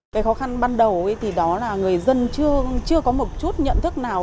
cái khó khăn ban đầu thì đó là người dân chưa có một chút nhận thức nào